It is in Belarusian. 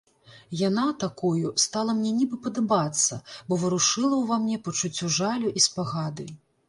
Яна, такою, стала мне нібы падабацца, бо варушыла ўва мне пачуццё жалю і спагады.